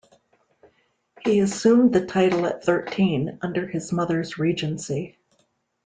He assumed the title at thirteen, under his mother's regency.